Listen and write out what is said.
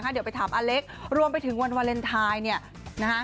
เดี๋ยวไปถามอาเลสรวมไปถึงวันเวอร์เลนไทน์